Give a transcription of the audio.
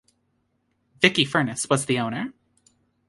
Vicky Furness was the owner.